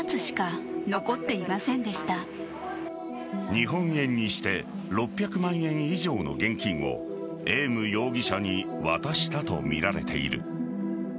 日本円にして６００万円以上の現金をエーム容疑者に渡したとみられている。